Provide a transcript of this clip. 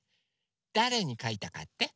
だれにかいたかって？